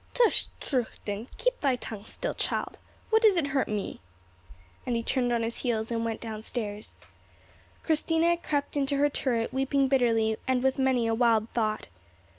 "Tush, Trudchen; keep thy tongue still, child! What does it hurt me?" And he turned on his heels and went down stairs. Christina crept into her turret, weeping bitterly and with many a wild thought.